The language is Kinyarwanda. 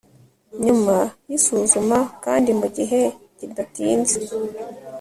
nyuma y'isuzuma kandi mu gihe kidatinze